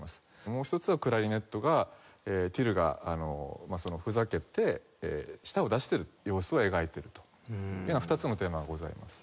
もう一つはクラリネットがティルがふざけて舌を出してる様子を描いているというような２つのテーマがございます。